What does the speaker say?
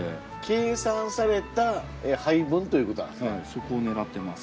そこを狙ってます。